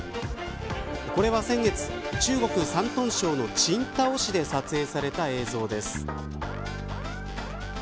これは先月、中国、山東省の青島市で撮影された映像です。